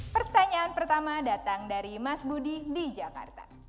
pertanyaan pertama datang dari mas budi di jakarta